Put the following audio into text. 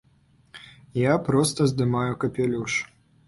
Я проста здымаю капялюш.